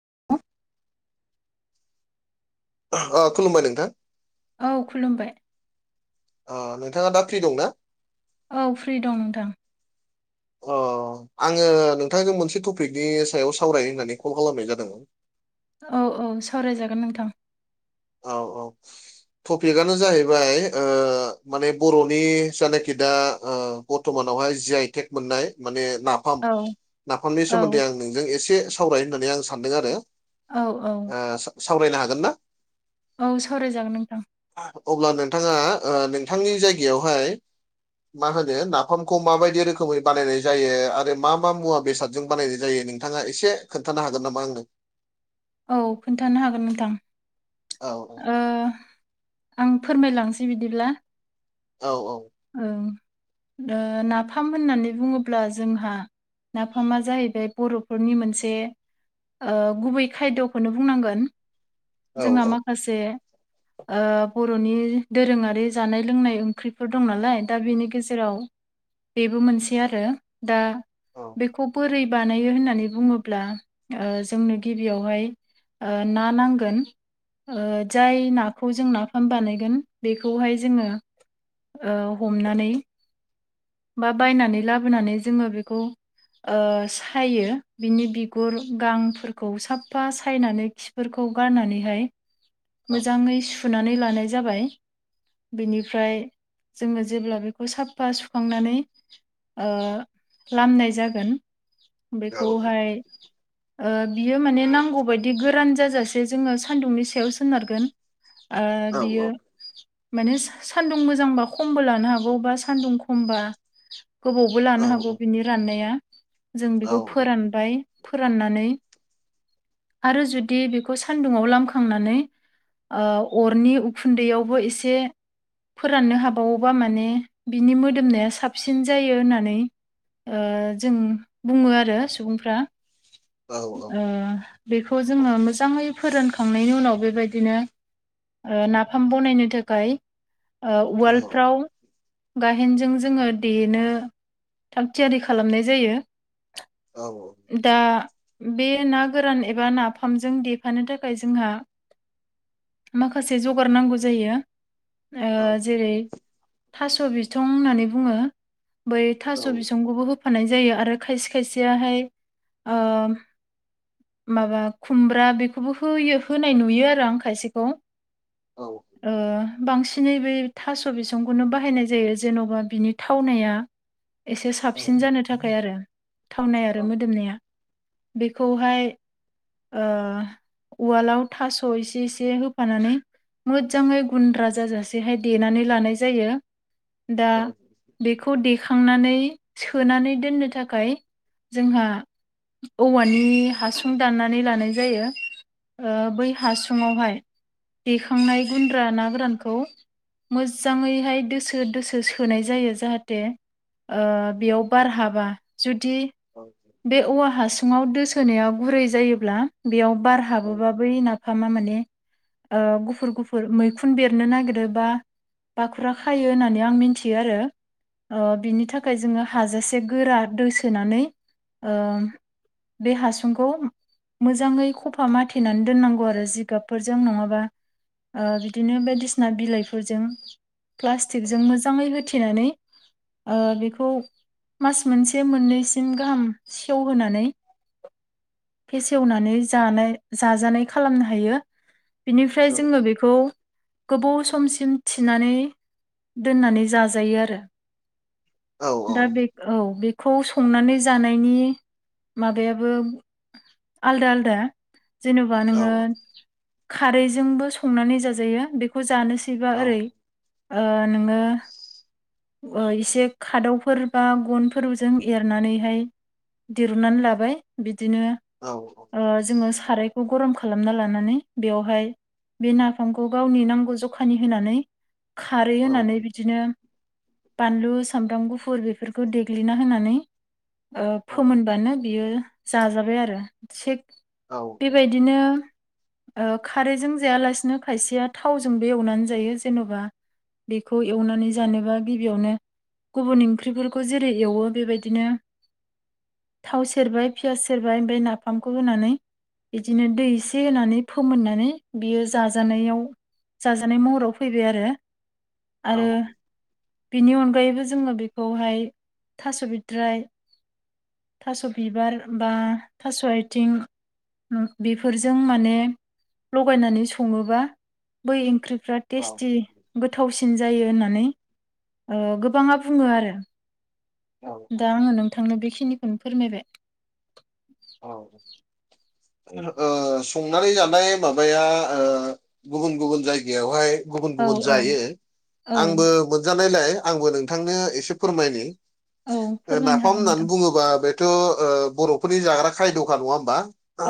[inaudible] अ खुलुमबाय नोंथां औ खुलुमबाय अ नोंथाङा दा फ्रि दंना? औ फ्रि दं नोंथां [inaudible] अ आङो नोंथांजों मोनसे टपिकनि सायाव सावरायनो होननानै कल खालामनाय जादों औ औ सावराय जागोन नोंथां औ औ टपिकआनो जाहैबाय माने बर'नि जायानाखि दा बर्थ'मानावहाय जि आइ टेक मोननाय माने नाम नाफाम औ नाफामनि औ सोमोन्दै आं नोंजों एसे सावराय होननानै आं सानदों आरो औ औ सावरायनो हागोन ना औ सावराय जागोन नोंथां अब्ला नोंथाङा नोंथांनि जायगायावहाय मा होनो नाफामखौ माबायदि रोखोमै बानायनाय जायो आरो मा मा मुवा बेसादजों बानायनाय जायो नों नोंथाङा एसे खोन्थानो हागोन नामा आंदों औ खोन्थानो हागोन नोंथां औ औ आं फोरमायलांसै बिदिब्ला औ औ ओं नाफाम होननानै बुङोब्ला जोंहा नाफामा जाहैबाय बर'फोरनि मोनसे गुबै खायद'खौनो बुंनांगोन औ जोंहा औ माखासे बर'नि दोरोङारि जानाय लोंनाय ओंख्रिफोर दं नालाय दा बेनि गेजेराव बेबो मोनसे आरो दा औ बेखौ बोरै बानायो होननानै बुङोब्ला जोंनो गिबियावहाय ओ ना नांगोन जाय नाखौ जों नाफाम बानायगोन बेखौहाय जोङो हमनानै बा बायनानै लाबोनानै जोङो बेखौ सायो बिनि बिगुर गांफोरखौ साफा सायनानै सिफोरखौ गारनानैहाय औ मोजाङै स सुनानै लानाय जाबाय बेनिफ्राय जोङो जेब्ला बेखौ साफा खांनानै लामनाय जागोन औ बेखौहाय बियो माने नांगौ बायदि गोरान जाजासे जोङो सान्दुंनि सायाव सोनारगोन आ बियो माने सान्दुं मोजांबा खमबो लानो हागौ बा सान्दुं खमबा गोबावबो लानो हागौ बिनि राननाया जों औ बेखौ औ फोरानबाय। फोराननानै आरो जुदि बेखौ सान्दुङाव लामखांनानै ओ अरनि उखुन्दैयावबो एसे फोराननो हाबावोबा माने बिनि मो दोमनाया साबसिन जायो होननानै ओ जों बुङो आरो सुबुंफ्रा। ओ बेखौ जोङो मोजाङै फोरानखांनायनि उनाव बेबायदिनो ओ नाफाम बनायनो थाखाय ओ उवालफ्राव गाहेनजों जोङो देनो थाग थियारि खालामनाय जायो। औ औ। दा बे ना गोरान एबा नाफामजों देफानो थाखाय जोंहा माखासे जगार नांगौ जायो। ओ जेरै थास' बिथं होननानै बुङो। बै थास' बिसंखौबो होफानाय जायो आरो खायसे खायसेयाहाय ओ माबा खुमब्रा बेखौबो होयो होनाय नुयो आरो आं खायसेखौ। ओ। बांसिनै बै थास' बिसंखौनो बाहायनाय जायो जेन'बा बिनि थावनाया एसे साबसिन जानो थाखाय आरो थावनाय औ आरो मोदोमनाया। बेखौहाय ओ उवालाव थास' इसे इसे होफानानै मोजजाङै गुन्द्रा जाजासेहाय देनानै लानाय जायो। दा बेखौ देखांनानै सोनानै दोननो थाखाय जोंहा औवानि हासुं दाननानै लानाय जायो। ओ बै हासुुङावहाय देखांनाय गुन्द्रा ना गोरानखौ मोजजाङैहाय दोसो दोसो सोनाय जायो। जाहाथे ओ बेयाव बार हाबा जुदि औ बे औवा हासुङाव दोसोनायाव गुरै जायोब्ला बेयाव बार हाबोबा बै ना फामा माने ओ गुफुर गुफुर मैखुन बेरनो नागिरो बा बाखुरा खायो होननानै आं मिनथियो आरो ओ बिनि थाखाय जोङो हाजासे गोरा दोसोनानै ओ बे हासुंखौ मोजाङै खफा माथेनानै दोननांगौ आरो जिगाबफोरजों नङाबा ओ बिदिनो बायदिसिना बिलाइफोरजों प्लास्टिकजों मोजाङै हो थेनानै ओ बेखौ मास मोनसे मोननैसिम गाहाम सेवहोनानै फेसेवनानै जानाय जाजानाय खालामनो हायो। बिनिफ्राय जोङो बेखौ गोबाव समसिम थिनानै दोननानै जाजायो आरो दा ओ बे औ बेखौ संनानै जानाय [unintelligible] माबायाबो आलदा आलदा। जेन'बा नोङो खारैजोंबो संनानै जाजायो। बेखौ जानोस सैबा ओरै ओ नोंनो ओ इसे खादावफोर बा गनफोरजों एरनानैहाय दिरुननानै लाबाय बिदिनो औ औ। ओ जोङो सारायखौ गरम खालामना लानानै बेवहाय बे नाफामखौ गावनि नांगौ जखानि होनानै खारै होनानै बिदिनो बानलु सामब्राम गुफुर बेफोरखौ देग्लिना होनानै ओ फोमोनबानो बियो जाजाबाय आरो थिग बेबाय बिदिनो ओ खारैजों जायालासिनो खायसेया थावजोंबो एवनानै जायो जेन'बा बेखौ एवनानै जानोबा गिबियावनो गुबुन ओंख्रिफोरखौ जेरै एवो बेबायदिनो थाव सेरबाय पियास सेरबाय ओमफ्राय नाफामखौ होनानै बिदिनो दै एसे होनानै फोमोननानै बियो जाजानायाव जाजानाय महराव फैबाय आरो आरो बेनि अनगायैबो जोङो बेखौहाय थास' बिथद्राय थास' बिबार बा थास' आथिं बेफोरजों माने लगायनानै सङोबा बै ओंख्रिफ्रा टेस्टि गोथावसिन जायो होननानै गोबाङा बुङो आरो दा आङो नोंथांनो बेखिनिखौनो फोरमायबाय। औ ओ संनानै जानाय माबाया ओ गुबुन गुबुन जायगायावहाय गुबुन औ गुबुन औ जायो औ आंबो मोनजानायलाय आंबो नोंथांनो एसे फोरमायनो औ फोरमायनो नाफाम हागोन होननानै नोंथां बुङोबा बेथ ओ' बर'फोरनि जाग्रा खायद'खा नङा होमबा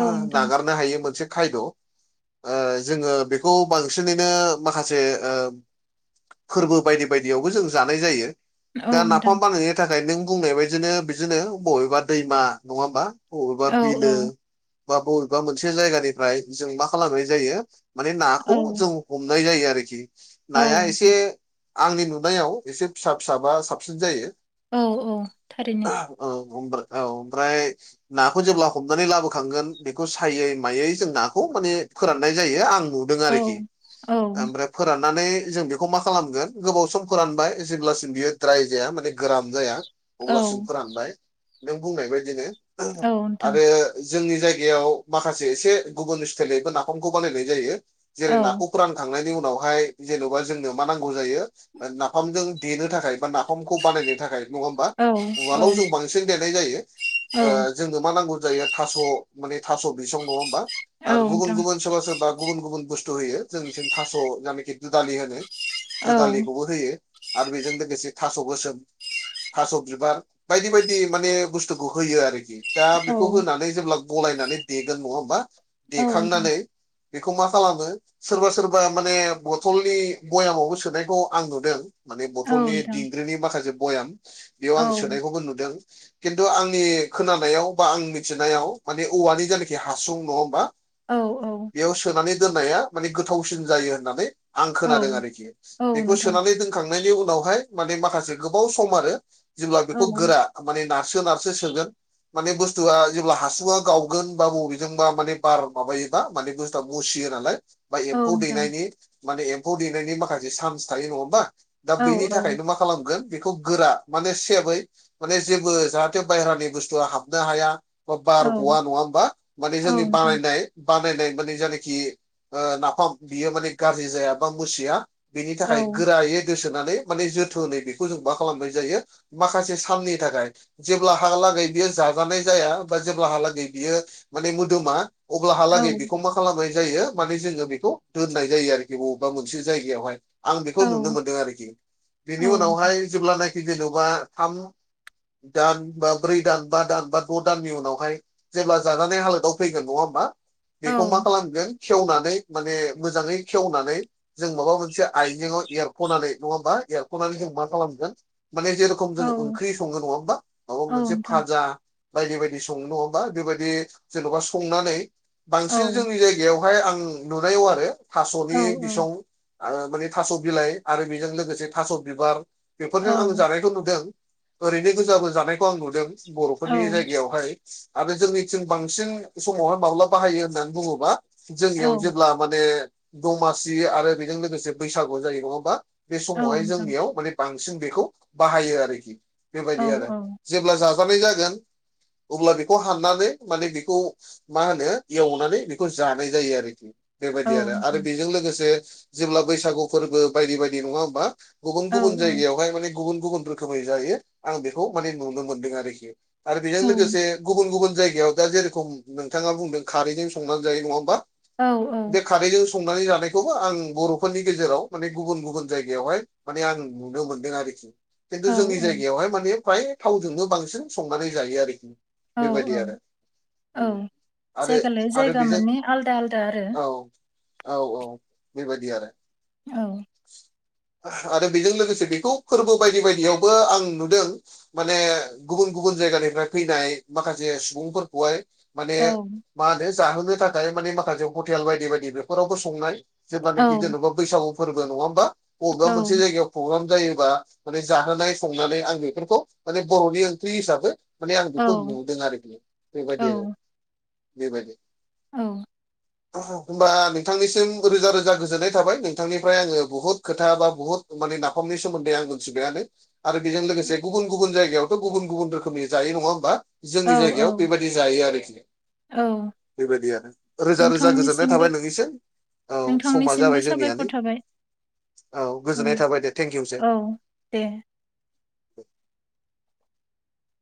औ नोंथां नागारनो हायो मोनसे खायद' ओ जोङो बेखौ बांसिनैनो माखासे ओ फोरबो बायदि बायदियावबो जों जानाय जायो। औ दा नोंथां नाफाम बानायनायनि थाखाय नों बुंनाय बायदिनो बिदिनो बबेबा दैमा नङा होमबा? बबेबा औ बिलो औ बा बबेबा मोनसे जायगानिफ्राय जों मा खालामनाय जायो माने नाखौ जों हमनाय जायो आरोखि औ नाया औ एसे आंनि नुनायाव एसे फिसा फिसाबा साबसिन जायो। औ औ थारैनो अ अब्राहाम औ अमफ्राय नाखौ जेब्ला हमनानै लाबोखांगोन बेखौ सायै मायै जों नाखौ माने फोराननाय जायो आं नु दों औ आरोखि औ आमफ्राय फोराननानै जों बेखौ मा खालामगोन गोबाव सम फोरानबाय जेब्लासिम बियो द्राय जाया माने गोरान जाया। औ अब्लासिम फोरानबाय नों बुंनाय बायदिनो नोंथां आरो जोंनि जायगायाव माखासे एसे गुबुन स्टाइलबो नाफामखौ बानायनाय जायो औ जेरै नाखौ फोरानखांनायनि उनावहाय जेन'बा जोंनो मा नांगौ जायो। नाफामजों देनो थाखाय बा नाफामखौ बानायनो थाखाय नङा होमबा? औ औ उवालाव जों बांसिन देरनाय जायो। औ ओ जोंनो मा नांगौ जायो थास' माने थास' बिसं नङा होमबा औ आरो गुबुन नोंथां गुबुन सोरबा सोरबा गुबुन गुबुन बुस्थु होयो जोंनिथिं थास' जायनाखि दुदालि होनो औ दुदालिखौबो होयो। आरो बेजों लोगोसे थास' गोसोम थास' बिबार बायदि बायदि माने बुस्थुखौ होयो आरोखि दा बेखौ औ होनानै जेब्ला गलायनानै देगोन नङा होमबा? औ नोंथां देखांनानै बेखौ मा खालामो सोरबा सोरबा माने बथलनि भयामावबो सोनायखौ आं नुदों। माने औ बथलनि नोंथां दिंग्रिनि माखासे बयाम बेयाव औ आं सोनायखौबो नुदों खिन्थु आं आंनि खोनानायाव बा आं मिथिनायाव माने औवानि जायनाखि हासुं नङा होमबा? औ औ बेयाव सोनानै दोननाया माने गोथावसिन जायो होननानै आं औ खोनादों आरोखि औ बेखौ नोंथां सोनानै दोन खांनायनि उनावहाय मानि माखासे गोबाव सम आरो जेब्ला औ बेखौ गोरा माने नारसो नार सोगोन माने बुस्थुआ जेब्ला हासुंआ गावगोन बा बबेजोंबा माने बार माबायोबा माने बुस मुसियो नालाय बा औ एम्फौ नोंथां दैनायनि माने एम्फौ दैनायनि माखासे चान्स थायो नङा होमबा दा औ बेनि थाखायनो मा खा खालामगोन बेखौ गोरा माने सेबै माने जेबो जाहा थे बायहेरानि बुस्थु हाबनो हाया बा औ बार ग'आ नङा होमबा माने औ जोंनि नोंथां बानायनाय बानायनाय माने जायनाखि ओ नाफाम बियो माने गाज्रि जाया बा मुसिया बेनि औ थाखाय गोरायै गोसोनानै माने जोथोनै बेखौ जों मा खालामनाय जायो माखासे साननि थाखाय जेब्ला हालागै बियो जाजानाय जाया बा जेब्लाहालागै बियो माने मोदोमा अब्लाहालागै बेखौ मा खालामनाय जायो माने जोंङो बेखौ दोननाय जायो आरोखि बबेबा मोनसे जायगायावहाय। आं औ बेखौ नुनो मोनदों आरोखि बेनि नोंथां उनावहाय जेब्लानाखि जेनेबा थाम दान बा ब्रै दान बा दान बा द' दाननि उनावहाय जेब्ला जाजानाय हालोदाव फैगोन नङा होमबा? बेखौ औ मा खालामगोन खेवनानै माने मोजाङै खेवनानै जों माबा मोनसे आइजेंआव एरख'नानै नङा होमबा एरख'नानै जों मा खालामगोन माने जेरै औ थोंजों ओंख्रि सङो नङा होनबा माबा औ मोनसे नोंथां फाजा आ बायदि बायदि संङो नंङा होनबा बेबायदि जेनबा संनानै औ नोंथां औ बांसिन नोंथां जोंनि जायगा बेयावहाय आं नुनायाव आरो थास'नि बिसं ओ माने थास' बिलाइ आरो बेजों लोगोसे थास' बिबार बेफोरजों आं जानायखौ नुदों। बे गोजाबो जानायखौ आं नुदों बर'फोरनि जायगायावहाय। आरो जोंनिथिं बांसिन समावहाय माब्ला बाहायो होननानै बुङोबा जोंनियाव जेब्ला माने दमासि आरो बेजों लोगोसे बैसागु जायो नङा होमबा? बे समावहाय जोंनियाव माने बांसिन बेखौ बाहायो आरोखि बेबायदि आरो। जेब्ला जाजानाय जागोन अब्ला बेखौ हाननानै माने बेखौ मा होनो एवनानै बेखौ जानाय जायो आरोखि। बेबायदि आरो आरो बेजों लोगोसे जेब्ला बैसागु फोरबो बायदि बायदि नङा होमबा? गुबुन औ औ गुबुन जायगायावहाय माने गुबुन गुबुन रोखोमै जायो आं बेखौ माने नुनो मोनदों आरोखि। आरो बेजों औ लोगोसे गुबुन गुबुन जायगायाव दा जेरेखम नोंथाङा बुंदों खारैजों संनानै जायो नङा होमबा? औ औ। बे खारैजों संनानै जानायखौबो आं बर'फोरनि गेजेराव माने गुबुन गुबुन जायगायावहाय माने आं नुनो मोनदों आरोखि। खिन्थु औ जोंनि जायगायावहाय माने फ्राय थावजोंनो बांसिन संनानै जायो आरोखि औ बेबायदि औ आरो। औ आरो जायगा लायै आरो जायगा बेजों माने आलदा आलदा आरो औ। औ औ बेबायदि आरो। औ आरो बेजों लोगोसे बेखौ फोरबो बायदि बायदियावबो आं नुदों माने गुबुन गुबुन जायगानिफ्राय फैनाय माखासे सुबुंफोरखौहाय माने औ मा होनो जाहोनो थाखाय माने माखासे हटेल बायदि बायदि बेफोरावबो संनाय औ जेब्लानाखि जेन'बा बैसागु फोरबो नङा होमबा बबेबा औ मोनसे जायगायाव प्रग्राम जायोबा माने जाहोनाय संनानै आं बेफोरखौ माने बर'नि ओंख्रि हिसाबै माने आं औ बेखौ नुदों आरोखि बे बायदि बे बायदि। औ। होमबा नोंथांनिसिम रोजा रोजा गोजोननाय थाबाय नोंथांनिफ्राय आंङो बुहुत खोथा बा बुहुत माने नाफामनि सोमोन्दै आं मिथिबायानो। आरो बेजों लोगोसे गुबुन गुबुन जायगायावथ' गुबुन गुबुन रोखोमनि जायो नङा होमबा औ जोंनि औ जायगायाव बेबायदि जायो आरोखि औ बेबायदि आरो रोजा रोजा गोजोननाय नोंथांनिसिमबो थाबाय नोंनिसिम। औ समा नोंथांनिसिमबो जाबाय साबायखर जोंनियानो थाबाय औ गोजोननाय थाबाय दे थेंकिउ सै। औ दे। [unintelligible]